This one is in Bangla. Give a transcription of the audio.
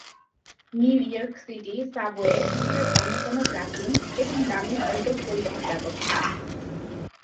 নিউ ইয়র্ক সিটি সাবওয়ে পৃথিবীড় অন্যতম প্রাচীন এবং দামী দ্রুত পরিবহন ব্যবস্থা।